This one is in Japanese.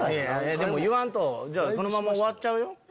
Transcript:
でも言わんとそのまま終わっちゃうよ？